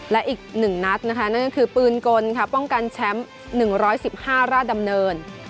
และอีก๑นัดนะคะนั่นก็คือปืนกลค่ะป้องกันแชมป์๑๑๕ราชดำเนิน